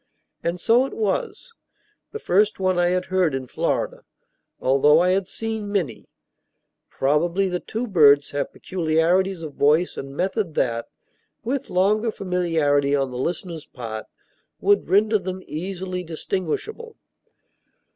And so it was, the first one I had heard in Florida, although I had seen many. Probably the two birds have peculiarities of voice and method that, with longer familiarity on the listener's part, would render them easily distinguishable.